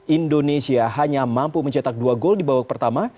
indonesia hanya mampu mencetak dua gol di babak pertama